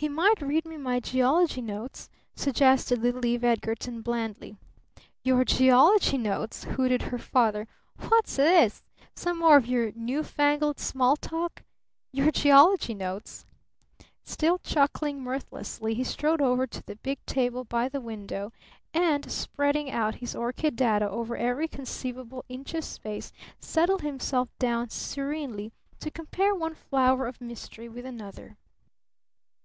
"He might read me my geology notes," suggested little Eve Edgarton blandly. "Your geology notes?" hooted her father. "What's this? Some more of your new fangled 'small talk'? Your geology notes?" Still chuckling mirthlessly, he strode over to the big table by the window and, spreading out his orchid data over every conceivable inch of space, settled himself down serenely to compare one "flower of mystery" with another.